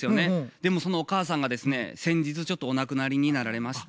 でもそのお母さんがですね先日お亡くなりになられまして。